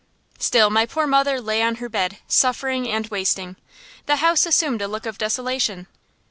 Still my poor mother lay on her bed, suffering and wasting. The house assumed a look of desolation.